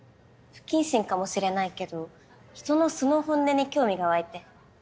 不謹慎かもしれないけど人の素の本音に興味が湧いて。